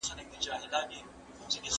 چای د قهوې ښه بدیل دی.